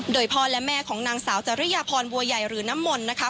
โดยพ่อและแม่ของนางสาวจริยพรบัวใหญ่หรือน้ำมนต์นะคะ